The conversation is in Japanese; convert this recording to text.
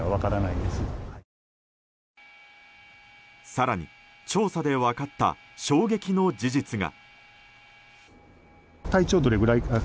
更に、調査で分かった衝撃の事実が。